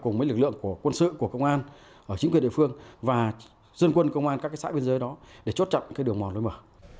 cùng với lực lượng của quân sự của công an chính quyền địa phương và dân quân công an các xã biên giới đó để chốt chặn đường mòn lối mở